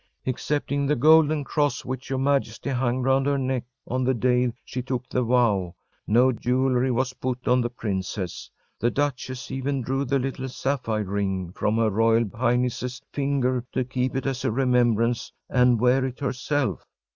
‚ÄĚ “Excepting the golden cross which your Majesty hung round her neck on the day she took the vow, no jewelry was put on the princess. The duchess even drew the little sapphire ring from her royal highness’ finger, to keep it as a remembrance and wear it herself.